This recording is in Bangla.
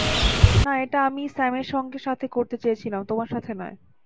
না, এটা আমি স্যামের সাথে করতে চেয়েছিলাম, তোমার সাথে নয়।